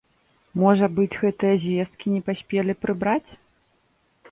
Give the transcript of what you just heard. Можа быць, гэтыя звесткі не паспелі прыбраць?